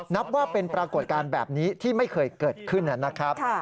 นับว่าเป็นปรากฏการณ์แบบนี้ที่ไม่เคยเกิดขึ้นนะครับ